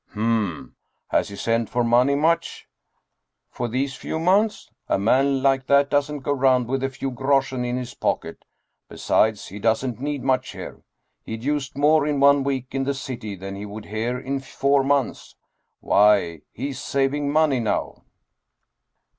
" Hm ! Has he sent for money, much ?"" For these few months ? A man like that doesn't go. round with a few groschen in his pocket. Besides, he doesn't need much here. He'd use more in one week in the city than he would here in four months. Why, he's saving money now